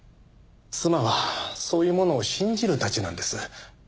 妻はそういうものを信じるタチなんです。